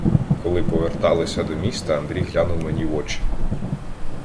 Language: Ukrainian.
Коли поверталися до міста, Андрій глянув мені в очі.